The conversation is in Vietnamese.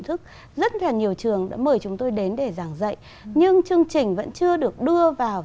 thức rất là nhiều trường đã mời chúng tôi đến để giảng dạy nhưng chương trình vẫn chưa được đưa vào